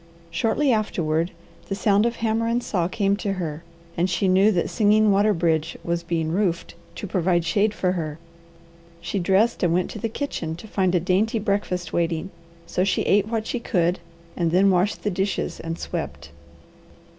Shortly afterward the sound of hammer and saw came to her, and she knew that Singing Water bridge was being roofed to provide shade for her. She dressed and went to the kitchen to find a dainty breakfast waiting, so she ate what she could, and then washed the dishes and swept.